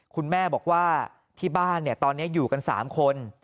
คุณแม่บอกว่าที่บ้านตอนนี้อยู่กัน๓คน